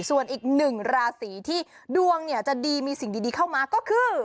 ส่วนอีกหนึ่งราศีที่ดวงจะดีมีสิ่งดีเข้ามาก็คือ